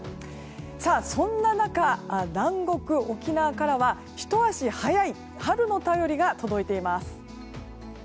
そんな中、南国・沖縄からはひと足早い春の便りが届いています。